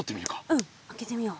うん開けてみよう。